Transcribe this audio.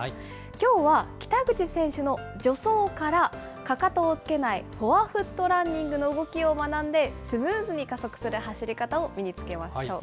きょうは北口選手の助走から、かかとをつけないフォアフットランニングの動きを学んで、スムーズに加速する走り方を身につけましょう。